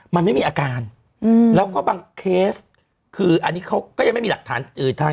มันไม่มีอาการแล้วก็บางเคสคืออันนี้เขาก็ยังไม่มีหลักฐานอื่นทาง